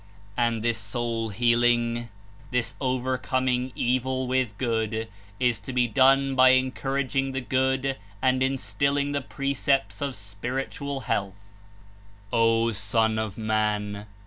And this soul healing, this overcoming evil with good, is to be done by encouraging the good and Instilling the precepts of spiritual health. ''O Son of Man!